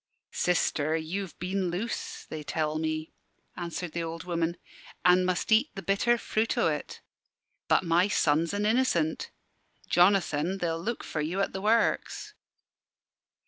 "Sister, you've been loose, they tell me," answered the old woman, "an' must eat the bitter fruit o't. But my son's an innocent. Jonathan, they'll look for you at the works."